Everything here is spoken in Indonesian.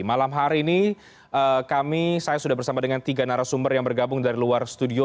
malam hari ini kami saya sudah bersama dengan tiga narasumber yang bergabung dari luar studio